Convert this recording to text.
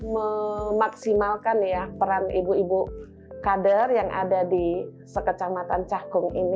memaksimalkan ya peran ibu ibu kader yang ada di sekecamatan cakung ini